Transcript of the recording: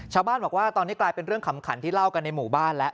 ชาวบ้านบอกว่าตอนนี้กลายเป็นเรื่องขำขันที่เล่ากันในหมู่บ้านแล้ว